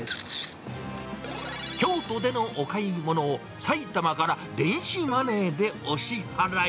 京都でのお買い物を、埼玉から電子マネーでお支払い。